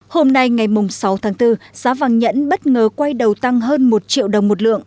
hôm nay ngày sáu tháng bốn giá vàng nhẫn bất ngờ quay đầu tăng hơn một triệu đồng một lượng